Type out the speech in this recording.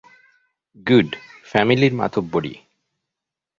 Good ফ্যামিলির মাতব্বরি!